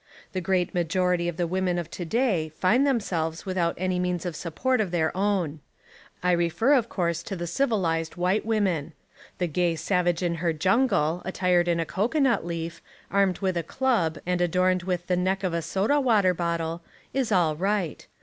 The great majority of the women of to day find themselves without any means of support of their own. I refer 140 The Woman Question of course to the civilised white women. The gay savage in her jungle, attired in a cocoanut leaf, armed with a club and adorned with the neck of a soda water bottle, is all right.